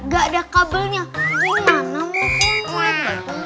gak ada kabelnya gimana mau konset